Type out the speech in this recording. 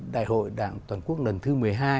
đại hội đảng toàn quốc lần thứ một mươi hai